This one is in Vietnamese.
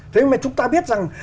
thế mà chúng ta biết rằng